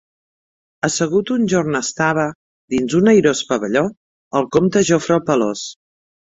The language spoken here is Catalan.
Assegut un jorn estava, dins un airós pavelló, el Comte Jofre el Pelós.